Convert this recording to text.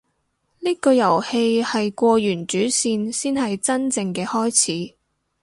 呢個遊戲係過完主線先係真正嘅開始